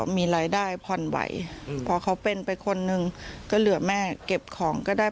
มีรายได้ผ่อนไหวพอเขาเป็นไปคนนึงก็เหลือแม่เก็บของก็ได้